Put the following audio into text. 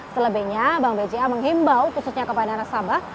selebihnya bank bca menghimbau khususnya kepada nasabah